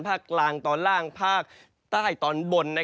ภาคกลางตอนล่างภาคใต้ตอนบน